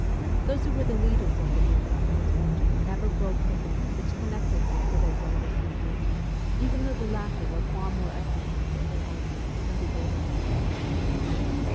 Those who were the leaders of the movement from its origin never broke the link which connected them with their younger sisters, even though the latter were far more advanced in their ideals than the older women were.